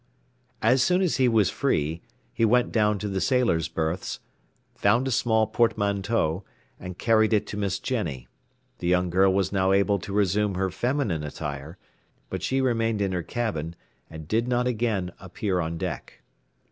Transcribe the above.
As soon as he was free, he went down to the sailors' berths, found a small portmanteau, and carried it to Miss Jenny; the young girl was now able to resume her feminine attire, but she remained in her cabin, and did not again appear on deck.